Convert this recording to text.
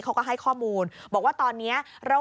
เขาก็ให้ข้อมูลบอกว่าตอนนี้